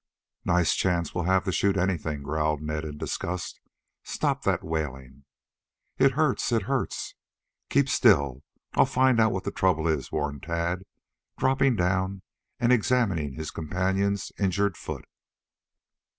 "Nice chance we'll have to shoot anything," growled Ned in disgust. "Stop that wailing." "It hurts, it hurts " "Keep still. I'll find out what the trouble is," warned Tad, dropping down and examining his companion's injured foot.